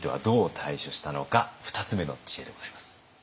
２つ目の知恵でございます。